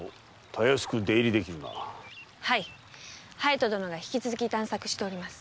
はい隼人殿が引き続き探索しております。